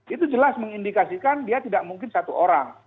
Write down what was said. itu jelas mengindikasikan dia tidak mungkin satu orang